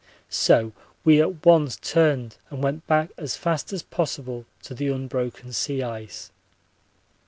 So we at once turned and went back as fast as possible to the unbroken sea ice.